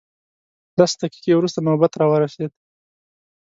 لس دقیقې وروسته نوبت راورسېد.